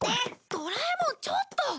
ドラえもんちょっと！